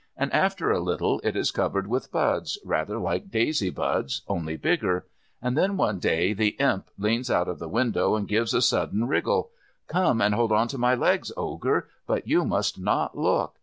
And after a little it is covered with buds, rather like daisy buds only bigger. And then one day the Imp leans out of the window and gives a sudden wriggle. "Come and hold on to my legs, Ogre, but you must not look."